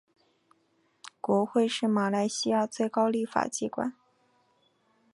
国会是马来西亚最高立法机关。